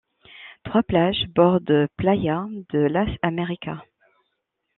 Trois plages bordent Playa de las Américas.